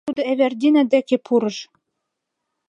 Тудо Эвердина деке пурыш.